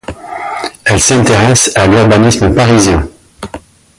Elle s’intéresse à l’urbanisme parisien.